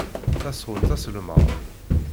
Tasɣunt Aselmad.